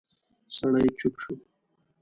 سړی چوپ شو.